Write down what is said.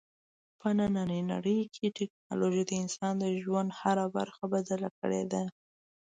په نننۍ نړۍ کې ټیکنالوژي د انسان د ژوند هره برخه بدله کړې ده.